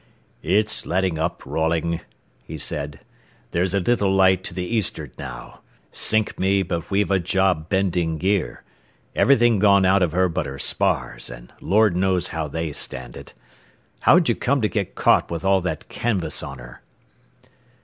"It's letting up, Rolling," he said; "there's a little light to the easterd now. Sink me, but we've a job bending gear. Everything gone out of her but her spars, and Lord knows how they stand it. How'd you come to get caught with all that canvas on her?"